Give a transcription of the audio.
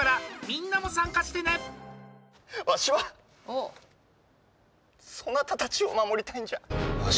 わしはそなたたちを守りたいんじゃ。